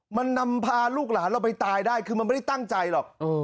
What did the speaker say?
มันนำพาลูกหลานเราไปตายได้คือมันไม่ได้ตั้งใจหรอก